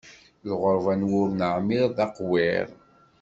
Lɣeṛba n wur neɛmiṛ, d aqwiṛ.